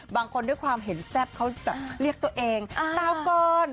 บางคนด้วยความเห็นแซ่บเขาแบบเรียกตัวเองตาก่อน